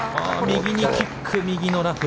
右にキック、右のラフ。